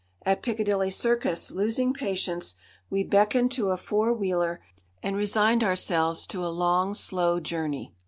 At Piccadilly Circus, losing patience, we beckoned to a four wheeler and resigned ourselves to a long, slow journey.